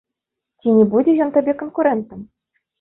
Ці не будзе ён табе канкурэнтам?